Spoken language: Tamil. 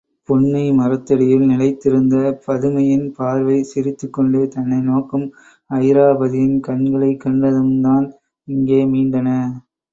புன்னை மரத்தடியில் நிலைத்திருந்த பதுமையின் பார்வை, சிரித்துக்கொண்டே தன்னை நோக்கும் அயிராபதியின் கண்களைக் கண்டதும்தான் இங்கே மீண்டன.